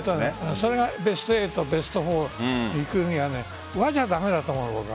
それがベスト８ベスト４に行くには和じゃ駄目だと思うの。